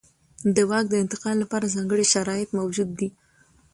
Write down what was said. د واک د انتقال لپاره ځانګړي شرایط موجود دي.